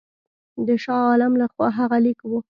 د شاه عالم له خوا هغه لیک وو.